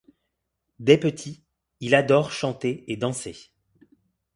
Dès petit, ils adore chanter et danser.